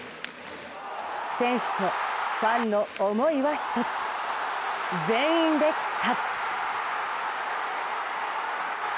選手とファンの思いは一つ、全員で勝つ。